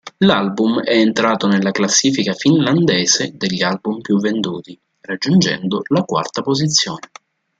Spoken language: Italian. L'album è entrato nella classifica finlandese degli album più venduti, raggiungendo la quarta posizione.